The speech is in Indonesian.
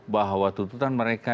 bahwa tuntutan mereka